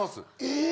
え。